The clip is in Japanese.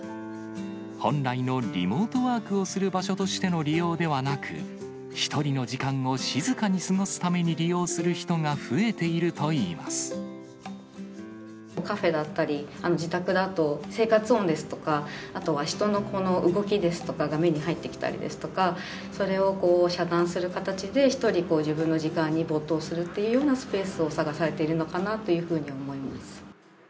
本来のリモートワークをする場所としての利用ではなく、１人の時間を静かに過ごすために利用する人が増えているといいまカフェだったり、自宅だと生活音ですとか、あとは人の動きですとかが目に入ってきたりですとか、それを遮断する形で１人自分の時間に没頭するというようなスペースを探されているのかなというふうに思います。